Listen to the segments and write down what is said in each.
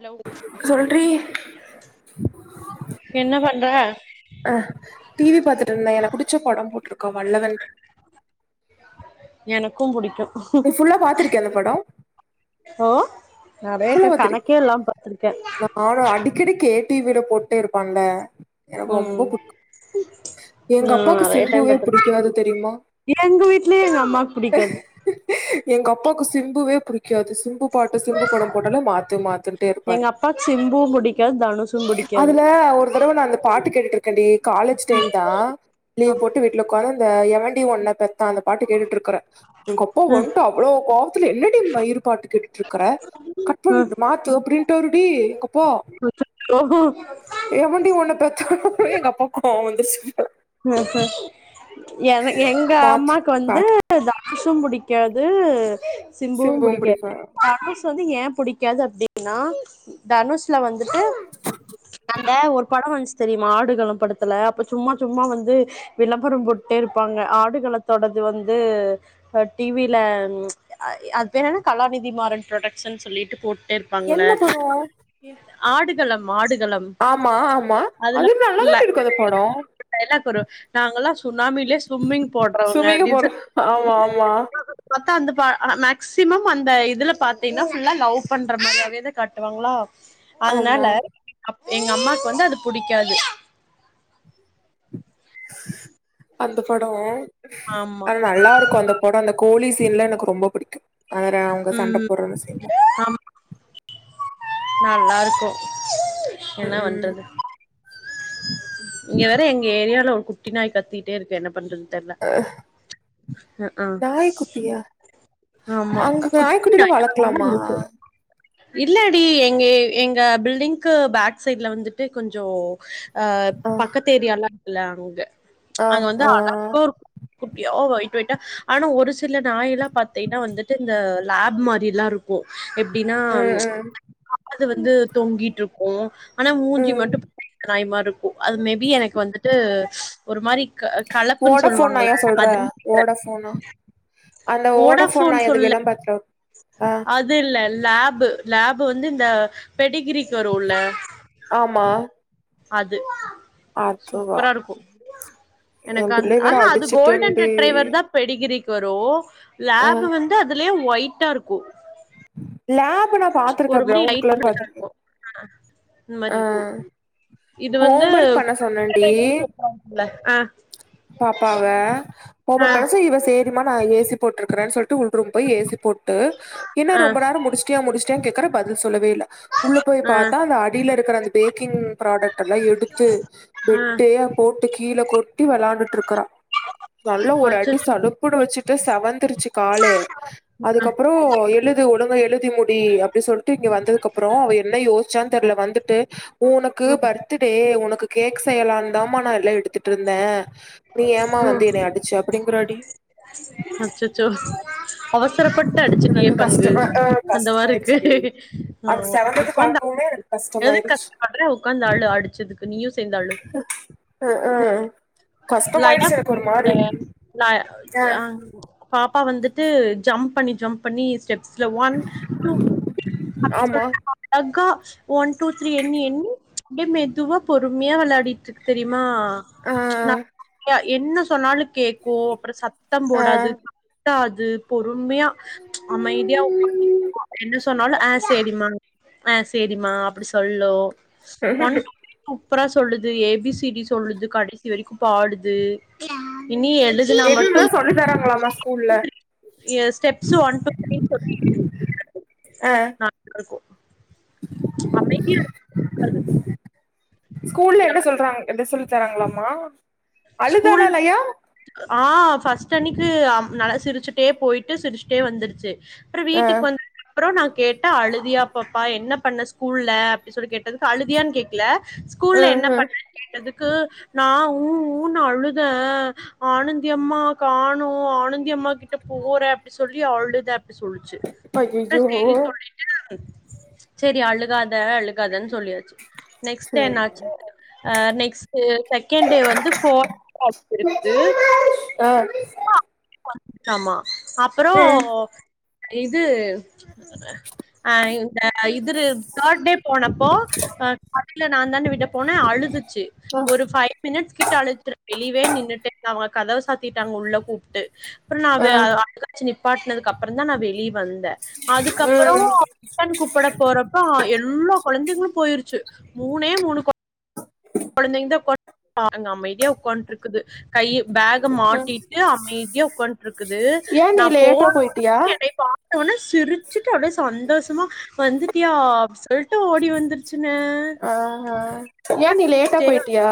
Hello சொல்றி [unintelligible] அஹ் TV பாத்துட்டு இருந்தேன் எனக்கு புடிச்ச படம் போட்டிருந்தான் வல்லவன் க்கும் புடிக்கும் நீ ஃபுல்லா பா்த்திருக்கேய்யா அந்த படம் ஓ நெறைய அவ்ளோ டைம் பாத்திரு கணக்கே இல்லாம பாத்திருக்கே நானும் அடிக்கடி கே டிவில போட்டே இருப்பான்ல எனக்கு ரொம்ப உம் புடிக்கு எங்க ஆஹ அப்பாக்கு நெறைய டைம் சிம்புவே பாத்து இருக்கேன் புடிக்காது தெரியுமா எங்க வீட்லயும் எங்க அம்மாக்கு புடிக்காது எங்க அப்பாவுக்கு சிம்புவே புடிக்காது சிம்பு பாட்டு சிம்பு படம் போட்டாலும் மாத்து மாத்து சொல்லிட்டே எங்க இருப்பாரு அப்பாக்கு சிம்புவு புடிக்காது தனுஷு புடிக்காது அதுல ஒரு தடவை நான் அந்த பாட்டு கேட்டுட்டு இருக் இருக்கேன்டி காலேஜ் டைம் தான் லீவ் போட்டு வீட்டுல உட்காந்து அ அந்த எவண்டி ஒண்ண பெத்தான் அந்த பாட்டு கேட்டுட்டு இருக்கறேன் எங்கப்பா வன்ட்டு அவ்ளோ கோவம் அப்படி என்னடி மயிறு பாட்டு கேட்டுட்டு இருக்கற அ கட்பண்ணு மாத்து அப்டினு விட்டாருடி எங்க அப்பா எவண்டி உன பெத் அப்பவே எங்க அப்பாக்கு கோபம் வந்திருச்சு ஹம்ஹ என எங்க மாத்து அம்மாக்கு வந்து காட்டு தனு சும் புடிக்காது சிம்பும் புடிக்காது தனுஷ் வந்து ஏ புடிக்காது அப்படின்னா தனுஷ்ல வந்துட்டு இந்த ஒரு படம் வந்துச்சு தெரியுமா ஆடுகளம் படத்துல அப்ப சும்மா சும் சும்மா வந்து விளம்பரம் போட்டே இருப்பாங்க ஆடுகள தொடது வந்து டிவியில ச்சு அது பேர் என்ன கலாநிதி மாறன் ப்ரொடக்ஷன் சொல்லிட்டு போட்டு என்ன படோம் களம் ஆமா ஆமா அது நல்ல தான்டி இருக்கும் அந்த படோம் டயலாக் வரும் நாங்கல்லாம் சு ஃபேமிலிலே சும்மிங் போடுறவங்க சுமிக அப்படின்னு சொ படம் ஆமா ஆமா [unintelligible] அக்கா அந்த ப மேக்ஸிமம் அந்த இதுல பாத்தீன்னா ஃபுல்லா லவ் பண்ற மாரியாவே தா காட்டுவாங்களா அதனால ஆமா எங்க அம்மாக்கு வந்து அது புடிக்காது அந்த படோ ஆமா அது நல்லாருக்கு அந்த படம் அந்த கோழி இதெல்லா எனக்கு ரொம்ப புடிக்கு அதல அவங்க சண்ட ம் போட்ற சீன்லா ஆமா நல்லா இருக்கும் என்ன உம் வண்றது [inaudible] இங்க வேற எங்க ஏரியால குட்டி நாய் கத்திட்டேயிருக்கு என்ன பண்றது தெர்ல ஆ ஆ நாய்க்குட்டியா அங்க நாய்குட்டிலா வளக்கலாமா இல்லடி எங்க எங்க பில்டிங்க்கு பேக் சைட்ல வந்துட்டு கொஞ்சோ ஆ பக்கத் ஏரியாவுல ல அங்க ஆ அங்க வந்து ஆ அழகா ஒரு குட்டியா ஒய்ட் ட்டா ஆனா ஒரு சில நாயெல்லா பத் தீன்னா வந்துட்டு இந்த லேப் மாரிலா இருக்கு எப்டின்னா ம் ம் இது வந்து தொங்கிட்டு இருக்கோ ஆனா மூஞ்சி ம் மட்டு [unintelligible] இருக்கு ஒ அது மேபி எனக்கு வந்துட்டு ஒரு மாரிக் ஓடோஃபோன் நாயா சொல்ற ஓடஃபோனா அந்த ஓடஃபோன் வோடாஃபோன் நாய் அது சொல்ல விளம்பரத்துல [unintelligible] ஆ அது இல்ல லேபு லேபு வந்து இந்த பெடிகிரிக்கு வருல்ல ஆமா அது அதுவா சூப்பராருக்கும் எ எனக்கு அந் பிள்ளைய வேற ஆஹா அது கோல்டன் அடிச்சுட்டேன்டி ரெட்ரைவர் தா பெடிகிரிக் [unintelligible] ஆ லேபு வந்து அதுலயே ஒய் ட்டா இருக்கு லேபு நா பாத்துருக்க ப்ரௌன் கலர் பிளெஷ்ஷா பாத்துருக்க இருக்கும். இந்த மாரி இருக்கு இது வந்து ஒர்க் பண்ண சொன்னேன்டி ஆஹ் பாப்பாவ அ, பண்ண சொன்னா இவ சேரி நானா ஏசி போட்டுருக்குறன்னு சொல்ட்டு உள் ரூம் போய் ஏசி போட் ட்டு என்ன ரொம்ப அ, நேரம் முடிச்சிட்டியா முடிச் கியான் கேக்குற பதில் சொல்லவே இல்ல உள்ள போய் பாத்தா அந்த அடியில இருக்குற அந்த பேக்கிங் ஃப்ராடெக்ட் எல்லா எடுத்து அ, பெட்டேயே போட்டு கீழ கொட் ட்டி வெளான்ட்டு இருக்குறா நல்லா ஒரு அடி அச்சச்சோ! சலுப்புனு வெச்சு ப்படே செவந்துருச்சு காலே அதுக்கப் அப்புறம் எழுது ஒலுங்கா எழுதி முடி அப்டி சொல்ட்டு இங்க வந்ததுக்கு அப்புறம் அவ என்ன யோசிச்சான்னு தெர்ல வந்துட்டு உனக்கு பர்த்டே ஒன் உனக்கு கேக் செய்யலாந்தாமா நா இதுலா எடுத்துட்டுருந் இந்த இப்டி ஏமா ம். வந்து என்னைய அடிச்ச அப்டிங்குறாடி அச்சச்சோ அவசரப்பட்டு அடிச்சிட்டியே பங்கு அந்த மாரி இருக்கு கஷ்டமாயிருச்சடி ஆஹ் அது ஆஹ் செவந்தது உக்காந்து பாக்கவுமே ஆ எனக்கு எது கஷ்டமாயிருச்சு கஷ்டப்படுற உக்காந்து அளு அடிச்சதுக்கு நீயு சேந்து அளு ஆஹ லனா குட்டி இருக்கு ல இல்ல ஆஹ பாப்பா வந்துட்டு ஜம்ப் பண்ணி ஜம்ப் பண்ணி ஸ்டெப்ஸ் இத ஒன் டூ ஆமா அப்பிசொல்டு அழகா ஒன் டூ த்ரீ எண்ணி எண்ணி அப்டியே மெதுவா பொறுமையா வெளாடிட்டு இருக்கு தெரியுமா ஆ நா என்ன சொன்னாலு கேக்கு அப்புறம் சத்தம் போடாது ஆ கத்தாது து போ ருமையா அமைதியா என்ன சொன்னாலு ஆஹ் சேரிமா ஆஹ் செரிமா அப்டி சொல்லு ஒன் டு சுப்புரா சொல்லுது ஏபிசி சிபி சொல்லுது கடைசி இதுவரைக்கு பாடுது இனி எழுதுனா என்னன்னா மட்டும் சொல்லி தராங்களாமா ஸ்கூல்ல எ ஸ்டெப்ஸ் ஒன் டூ த்ரீ சொல்லி ஆ ந [inaudible] இருக்கு அமைத் [inaudible] த்து ஸ்கூல்ல என்ன சொல்றாங்க எத சொல்லி தராங்களாமா ஸ்கூல் அழுதாலாலயா ஆ ஃபர்ஸ்ட் அன்னிக்கு அம் நல்லா சிரிச்சுட்டே போயி்ட்டு சிரிச்சுட்டே வந்துடுச்சு அப்றோ ஆ வீட்டுக்கு வந்த அப்றோ நா கேட்டா அழுதியாப்பப்பா என்ன பண்ண ஸ்கூல்ல அப்டின் சொல்லி கேட்டதுக்கு அழுதியான்னு கேக்கல ஆ ஸ்கூல்ல என்ன ஆ பண்ணன்னு கேட்டதுக்கு ந உ ன்னு அழுத ஆனந்தி அம்மா காணு ஆனந்தி அம்மாக்கிட்ட போற அப்டி சொல்லி அழுதே சொல்லிச்சு அப்றோ அய்யய்யோ சேரி சொல்லிட்டு செரி அழுகாத அழுகாதன்னு சொல்லியாச்சு நெக்ஸ்ட்டு என்னாச்சு சேரிங்க அ நெக்ஸ்ட் செகண்ட் டே வந்து போ [inaudible] இருக்குது ஆ பா ஆமா அப்புறோ ம் இது ஆஹ் இந்த இதுரு தேர்ட் டே போனப்போ அ விடல நான்தானே விட போன அழுதுக் ச்சி ஒரு ஃபைவ் மினிட்ஸ் கிட் வெளியவே நின்னுட்டுருக்கா அவங்க கதவ சாத்திட்டாங்க உள்ள கூப்ட்டு அப்புறா நா வே ஆ [inaudible] பாட்டனதுக்கு அப்புறோ தா நா வெளியே வந் ந்த அதுக்கப்புறோ ம் ரிட்டன் கூப்புட போறப்ப எ எல்லா கொழந்தைங்களு போயிருச்சு மூனே மூணு கொழ கொழந்தைங்க தா [inaudible] அமைதியா உட்காண்ட்ருக்குது கை பேக் ம் மாட்டிட்டு அமைதியா உட்காண்ட்ருக்குது ஏன் நா நீ லேட்டா போன போயிட்டியா உடனே என்னை பாக் த்தோண சிரிச்சுட்டு அப்டியே சந்தோஷமா வந்துட்டியா அப்டி சொல்லிட்டு ஓடி வந்துருச்சு. ஆஹ்ஹ் ஏன் நீ லேட்டா போ சிரிச்சுட்டே போயிட்டியா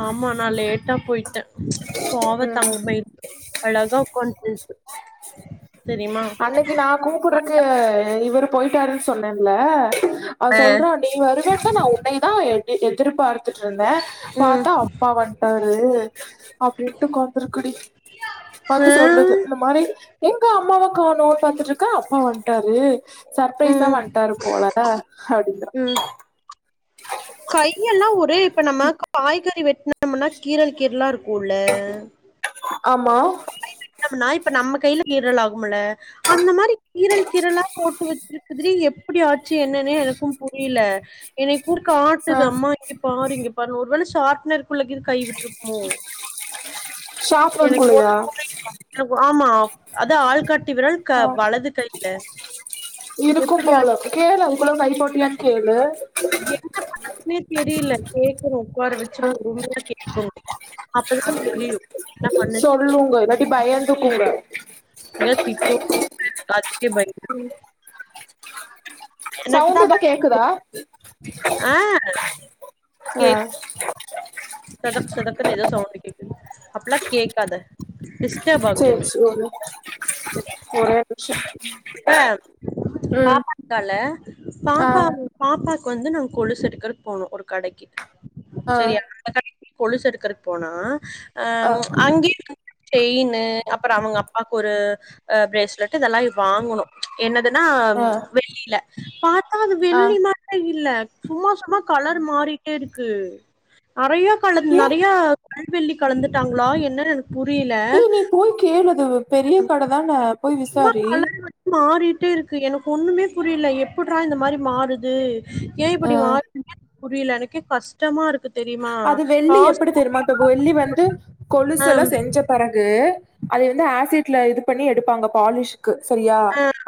ஆமா நான் லேட்டா போயி ட்டேன் ப்ச் பாவ ம் தங்கமயில் அழகா கொண்டு [unintelligible] அன்னைக்கு நான் கூப்படுருக்கு இவரு போயிட்டாருன்னு சொன்னேன்ல அவ சொல்றான் நீ வருவேட்ட நான் உன்னைதான் எ எதிர்பார்த்துட்டு இருந்தேன் ம் பார்த்தா அப்பா வந்துட்டாரு அப்படின்ட்டு கொந்தருக்குடி ஆ வந்து சொல்லுது இந்த மாரி எங்க அம்மா காணும் பாத்துட்டு இருக்கேன் அப்பா வந்துட்டாரு சர்ப்ரைஸா ம் வந்ட்டாரு போல அப்டிங்கறான் ம். நம்மனா கீரல் கீரலாம் இருக் கூள்ள ஆமா காய் வெட்டனும்னா இப்ப நம்ம கையில கீரல் ஆகும்ல அந்த மாரி கீரல் கீரளா போட்டு வச்சிருக்குதுடி எப்டி ஆச்சு என்னன்னே எனக்கும் புரியல எனக் ருக்கு ஆட்டுது ஆ அம்மா இங்க பாருங்க இங் [unintelligible] ஒரு வேளை ஷார்ப்னர் புள்ளைக்கு இது கைவிட்டுருக்குமோ ஷாப் எனக்கு அதுக்குள்ளயா ஒண் [unintelligible] ஆமா அத ஆள்கட் ஆ இருக்கும் எப்டி போள ஆச்சு கேளு அது குள கை போட்டியானு கேலு என்ன பண்ணனுனே தெரியல கேக்குது உக்காரவெச்சு பொறுமையா தான் கேட்கணும் அப்பதான் தெரியும் சொல்லுங்க இல்லாட்டி பயந்துக்குங்க [unintelligible] [unintelligible] சவுண்ட் எதா கேக்குதா ஆஹ் கேக் ஆ சதக் சதக்குன்னு ஏதோ சவுண்ட கேக்கு அப்பல்லாம் கேட்காத டிஸ்டர்ப் ஆகுது சேரி சேரி ஒரே அடி ஒரே நிமிஷம் இவ ம் பாப்பா இருக்கால ஆ பாப்பா பாப்பா க்கு வந்து நாங்க கொலுசு எடுக்கிறக்கு போனோ ஒரு கடைக்கு ஆ சரி [unintelligible] கொலுசு எடுக்கறக்கு போனா அ ஆ அங்கயே [inaudible] செயினு அப்பறோ அவங்க அப்பாக்கு ஒரு அ பிரேஸ்லெட் இதெல்லா வாங்குனோ என்னுது னா ஆ பாத்தா அது ஆ வெள்ளி மாதிரியே இல்ல சும்மா சுத்தமா கலர் மாறிட்டே இருக் கு நெறையா கலர் ஏ நெறையா கல்வெள்ளி கலந்துட்டாங்களா என்னனு இல்ல நீ போய் கேளு அது பெரிய கடதானே போய் விசாரி மாறிிட்டே இருக்கு எனக்கு ஒண்ணுமே புரியல எப்பிடறா இந்த மாரி மாறுது ஏன் ஆ இப்பிடி மாறுது புரியல எனக்கே கஷ்டமா இருக்குது அது வெள்ளி எப்பிடி தெரியுமா இப்ப வெள்ளி வந்து ஆ கொலுசுலா செஞ்ச பெறகு அத வந்து ஆசிட்ல இது பண்ணி எடுப்பாங்க பாலிஷ்க்கு சரியா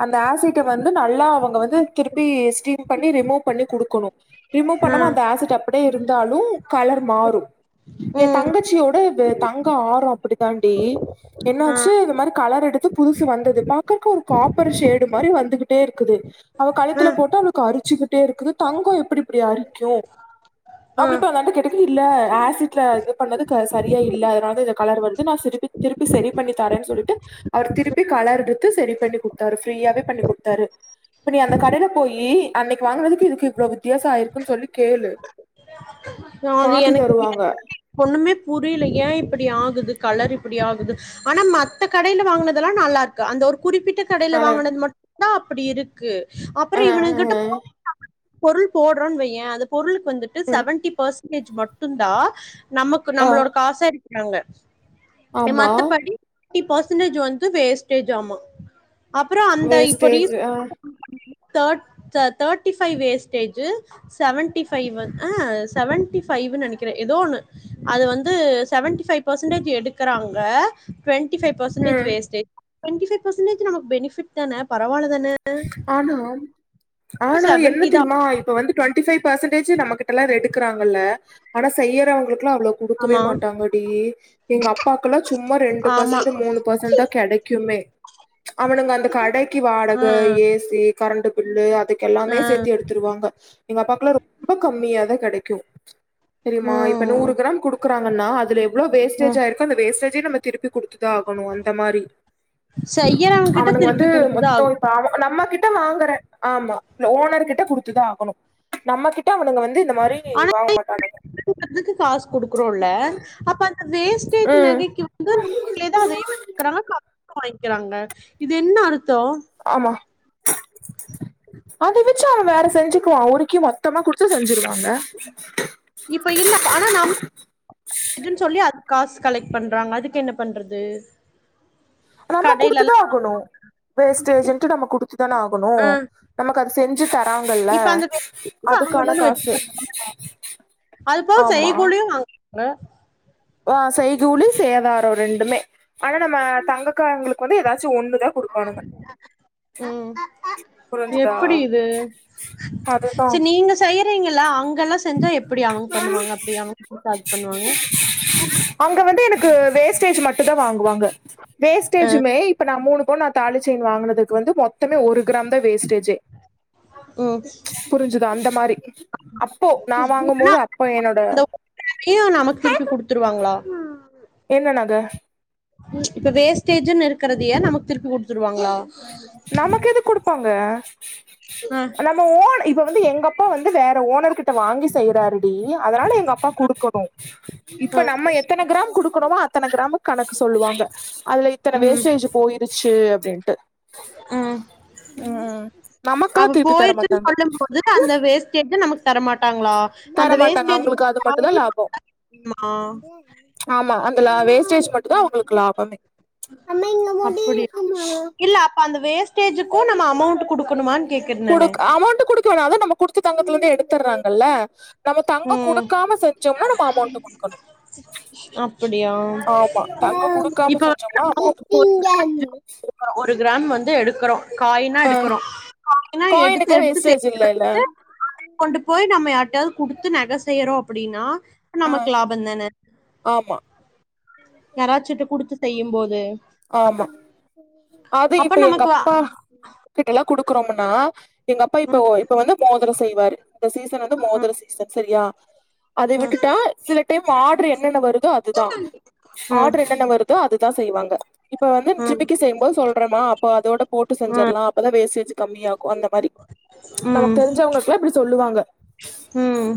அந்த ஆசிட்ட வந்து நல்லா அவுங்க வந்து திருப்பி ஸ்டீம் பண்ணி ரிமூவ் பண்ணி குடுக்கணும் ரிமூவ் ஆ பண்ணாமா அந்த ஆசிட்டப் அப்பிடியே இருந்தாலும் கலர் மாறும் என் ம் தங்கச்சியோட தங்க ஆறம் அப்பிடி தாண்டி ஆ என்னாச்சு இந்த மாரி கலர் எடுத்து புதுசு வந்தது பாக்கறக்கு ஒரு காப்பர் ஷேடு மாரி வந்துக்கிட்டே இருக்குது அவ ஆ கழுத்துல போட்டு அவுளுக்கு அரிச்சுக்கிட்டு ட்டே இருக்குது தங்கம் எப்பிடி இப்பிடி அரிக் [unintelligible] ஆ அப்பிடி இப்ப வந்து கேட்டுக்குரியா ஆசிட்டல இது பண்ணது சரியா இல்ல அதனாலதா இதுல கலர் வருது நா திருப்பி திருப்பி செரி பண்ணி தரேன்னு சொல்லிட்டு அவர் திருப்பி கலர் எடுத்து செரி பண்ணி குடுத்தாரு ஃப்ரீயாவே பண்ணி குடுத்தாரு இப்ப நீ அந்த கடையில போயி அன்னிக்கு வாங்கறதுக்கு இதுக்கு இவ்வளவு வித்தியாசம் ஆயிருக்குன்னு சொல்லி கேளு அது மாத்தி எனக்கு தருவாங்க ஒண்ணுமே புரியல ஏன் இப்பிடி ஆகுது கலர் இப் அப்பிடி ஆகுது ஆனா மத்த கடையில வாங்கினதெல்லாம் நல்லா இருக்கு அந்த ஒரு குறிப்பிட்ட கடையில கலர் வாங்கினது மட்டும்தான் ப்புடி இருக்கு அப்புறோ ஆ ஆ இவனுங்கிட்ட ஆ. [inaudible] பொருள் போடுறோ வையன் அந்த பொருளுக்கு வந்துட்டு ம் செவன்டிபெர்சன் பர்சன்டேஜ் மட்டும்தான் நமக்கு ஆ நம்மளோட காசா நாங்க என் ஆமா மத்த படி தேட்டி பர்சன்டேஜ் வந்து வேஸ்டேஜ் ஆமா அப்புறம் அந்த இப்ப வேஸ்டேஜ் ரீச் ஆ தே thirty five wastage seventy five வந்து ஆஹ செவன்டி ஃபைவ் நினைக்கிறேன் ஏதோ ஓன்னு அது வந்து செவன்டி ஃபைவ் பெர்சன்டேஜ் எடுக்கிறாங்க டுவன்டி டுவன்டி ஃபைவ் பெர்சன்டேஜ் ம் வேஸ்டேஜ் டுவண்டி ஃபைவ் பெர்சன்டேஜ் நமக் பெனிபிட் தான பரவால்ல தான ஆமாம் ஆனா என்ன செவன்டி தா தெரியுமா இப்ப வந்து டுவெண்டி ஃபைவ் பெர்சன்டேஜ் நம்ம கிட்ட எடுக்கிறாங்கள ஆனா செய்யறவங்களுக்கு அவ்வளவு கொடுக்கவே ஆமா மாட்டாங்க டி எங்க அப்பாக்கெல்லாம் சும்மா ரெண்டு ஆமா பர்சன்ட் மூணு பெர்சன்ட் தான் கிடைக்குமே அவனுங்க அந்த கடைக்கு வாடக ஆ அ ஏசி கரண்ட் பில்லு அதுக்கு எல்லாமே ஆ சேர்த்து எடுத்துருவாங்க எங்க அப்பாக்கெல்லாம் ரொம்ப கம்மியாதான் கிடைக்கும் சரிமா இப்ப நூறு ம் கிராம் கொடு க்கறாங்கன்னா அதுல எவ்ளோ வேஸ்டேஜ் ம் ஆயிருக்கு அந்த வேஸ்டேஜ் நம்ம திருப்பி கொடுத்துதான் ஆகணும் அந்த மாரி செய்யறவங்க கிட்ட அவனுங்க வந்து திருப்பி கொடுத்து தான் ஆகணும் [unintelligible] நம்ம கிட்ட வாங்கற ஆமா ஓனர் கிட்ட கொடுத்து தான் ஆகணும் நம்ம கிட்ட அவனுங்க வந்து இந்த மாரி ஆனா வாங்க மாட்டானுங்க [unintelligible] காசு குடுக்குறோம்ல அப்ப அந்த வேஸ்டேஜ் ம் நகைக்கு வந்து அவங்களே தான் அதையும் வச்சுக்கிறாங்க காசு வாங்கிக்கிறாங்க இது என்ன அர் ஆமா அதை வச்சு அவன் வேற செஞ்சுக்குவான் உருக் கி மொத்தமா குடுத்து செஞ்சிருவாங்க இப்ப இல்ல ஆனா நாம துன்னு சொல்லி காசு கலெக்ட் பண்றாங்க அதுக்கு என்ன பண்றது நம்ம குடுத்து தா கடையிலல்லா ஆகணு வேஸ்டேஜுன்டு நம்ம கொடுத்து தானே ஆகணு நமக்கு அது செஞ் சு தராங்கல்ல இப்ப அந்த அவங்க அதுக்கான தான காசு வச்சிருக்காங்க ஆமா க ஆ செய்கூலி சேதாரொ ரெண்டுமே ஆனா நம்ம தங்க காரங்களுக்கு வந்து எதா ச்சு ஒன்னு தா குடுப்பானுங்க ம் புரிஞ்சுதா எப்படி இது அதுதா யறீங்களா அங் கல்லாம் செஞ்சா எப்டி அவங்க பண்ணுவாங்க அப்டி அவங்கட குடுத்தாலு அவங்க வந்து எனக்கு வேஸ்டேஜ் மட்டு தா வாங்குவாங்க வேஸ்டேஜுமே இப்ப நா மூணு போ நா தாலிச்சைன் வாங்குனதுக்கு வந்து மொத்தமே ஒரு கிராம் தா வேஸ்டே ஜு ம் புரிஞ்சுதா அந்த மாரி அப்போ நா வாங்கும்போது அப்போ என்னோட அந்த ஒரு வேலையும் நமக்கு திருப்பி குடுத்துருவாங்களா என்ன நக இப்ப வேஸ்டேஜுன் இருக் கறதையே நமக்கு திருப்பி குடுத்துருவாங்களா நமக்கு எது கொடுப்பாங்க ஆ நம்ம ஓன் இப்பொ வந்து எங்க அப்பா வந்து வேற ஓனர் கிட்ட வாங்கி செய்றாரு பீ அதனால எங்க அப்பா கொடுக்கணு இப்ப ஆ நம்ம எத்தன கிராம் கொடுக்கணமோ அத்தன கிராம்கு கணக்கு சொல்லுவாங்க அதுல இத்தன ம் வேஸ்டேஜ் இருக் ச்சு அப்டின்ட்டு ம் அவ நமக்கெல்லாம் திருப்பி தர போயிருச்சுனு சொல்லும் போது அந்த வேஸ்டேஜ் நமக்கு தரமாட்டாங்களா அந்த தரமாட்டாங்க வேஸ்டேஜ் அவுங்குளுக்கு அது மட்டு தா லாபோ மா ஆமா அன் இதுல வேஸ்டேஜ் மட்டு தா அவுங்குளுக்கு லாபமே அம்மா இங்க முடி அப்டியா இருக்குமா இல்ல அப்ப அந்த வேஸ்டேஜ்கு நம்ம அமௌண்ட் குடுக்கணுமான் குடுக் அமௌண்ட் குடுக்க வேணா அது நமக்கு குடுத்த தங்கத்துல இருந்து எடுத்தறாங்கல்ல நம்ம தங்கொ ம் குடுக்காம செஞ்சோம்னா நம்ம அமௌண்ட் குடுக்கனு அப்படியா ஆமா தங்கோ குடுக்காம இப்ப செஞ்சோம்னா அமெளண்ட் குடுக்கனு வந்து ஒரு கிராம் வந்து எடுக்குறோ காய்னா எடுக்குறோ காய்னா எடுத்து காயினுக்குலா எடுத்து வேஸ்டேஜ் சேத்து இல்லல்ல வச்சு கொண்டு போய் நம்ம யார்ட்டயாது குடுத்து நக செய்றோ அப்டினா அ ஆ நமக்கு லாபோந் தான ஆமா யாராச்சிட்ட குடுத்து செய்யும் போது ஆமா அது அப்ப இப்ப எங்க நமக்கு அப்பா கிட்டலா குடுக்குறோமுன் டா எங்க அப்பா இப்போ ம் இப்ப வந்து மோத் அதூ செய்வாரு இந்த சீசன் வந்து மோதிர சீசன் சேரியா அதை விட்டுட்டா சில டைம் ஆர்ட்ரு என்னென்ன வருதோ அது தா ம் ம் ஆர்டரு என்னென்ன வருதோ அது தா செய்வாங்க இப்ப வந்து ஜிமிக்கி ம் செய்யும் போது சொல்றேமா அப்போ அதோட போட்டு செஞ்சிட்லா அப்போ அதோட வேஸ்டேஜ் கம்மியாக் கோ அந்த மாரி நமக்கு ம் தெரிஞ்சவங்களுக்குல்லா இப்புடி சொல்லுவாங்க ம் ம்